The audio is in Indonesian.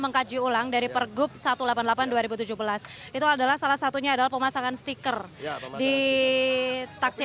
mengkaji ulang dari pergub satu ratus delapan puluh delapan dua ribu tujuh belas itu adalah salah satunya adalah pemasangan stiker di taksi